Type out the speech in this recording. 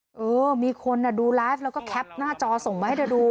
เออมีคนดูไลฟ์แล้วก็แคปหน้าจอส่งมาให้เธอดู